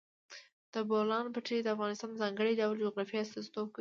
د بولان پټي د افغانستان د ځانګړي ډول جغرافیه استازیتوب کوي.